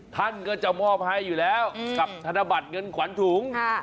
ท่านก็จะมอบให้อยู่แล้วกับธนบัตรเงินขวัญถุง